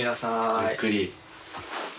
ごゆっくり。